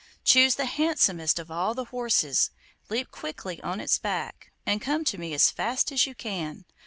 Choose the handsomest of all the horses, leap quickly on its back, and come to me as fast as you can.